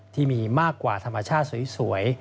ที่มีมากกว่าธรรมชาติสวย